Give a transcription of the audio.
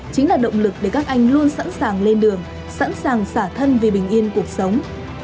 chính là động lực để các anh luôn sẵn sàng lên đường sẵn sàng xả thân vì bình yên cuộc sống